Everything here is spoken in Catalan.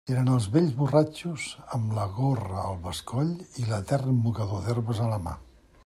Eren els vells borratxos, amb la gorra al bescoll i l'etern mocador d'herbes a la mà.